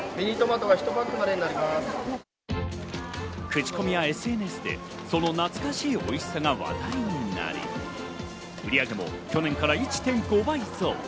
口コミやＳＮＳでその懐かしいおいしさが話題になり、売上も去年から１．５倍増。